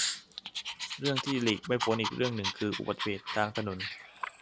เรื่องที่หลีกไม่พ้นอีกเรื่องหนึ่งคืออุบัติเหตุทางถนน